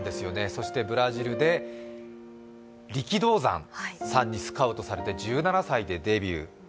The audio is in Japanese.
そしてブラジルで力道山さんにスカウトされて１７歳でデビュー。